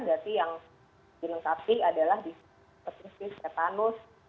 jadi yang dilengkapi adalah di spesifikasi ketanus